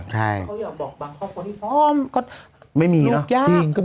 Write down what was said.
เขาอยากบอกบางคนบางคนที่พร้อม